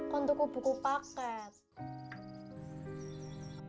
maaf kau buku paket